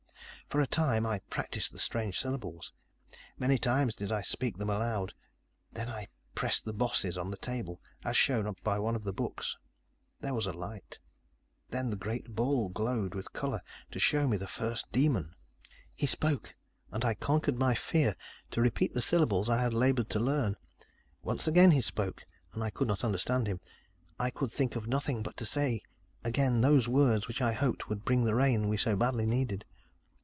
"For a time, I practiced the strange syllables. Many times did I speak them aloud, then I pressed the bosses on the table, as shown by one of the books. There was a light. Then, the great ball glowed with color, to show me the first demon. "He spoke. And I conquered my fear, to repeat the syllables I had labored to learn. Once again, he spoke, and I could not understand him. I could think of nothing but to say again those words which I hoped would bring the rain we so badly needed.